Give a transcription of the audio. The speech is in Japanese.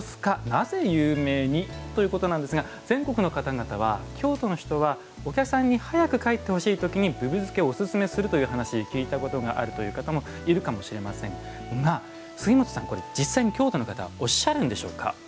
なぜ有名に？ということですが全国の方々は京都の人はお客さんに早く帰ってほしいときにぶぶ漬けをおすすめするという話を聞いたことがあるという方もいるかもしれませんが杉本さん、実際に京都の方はおっしゃるんでしょうか？